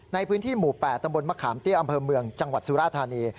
ในพื้นที่หมู่๘ตำบลมะขามเตี้ยอำเภอเมืองจังหวัดสุราธานี